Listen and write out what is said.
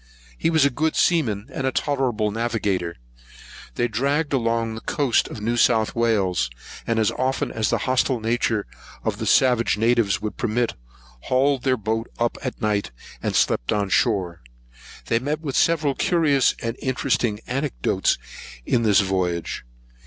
He was a good seaman, and a tolerable navigator. They dragged along the coast of New South Wales; and as often as the hostile nature of the savage natives would permit, hauled their boat up at night, and slept on shore. They met with several curious and interesting anecdotes in this voyage.